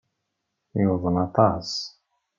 Yuḍen aṭas.